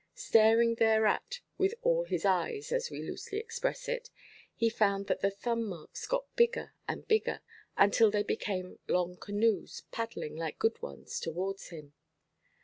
Staring thereat with all his eyes—as we loosely express it—he found that the thumb–marks got bigger and bigger, until they became long canoes, paddling, like good ones, towards him.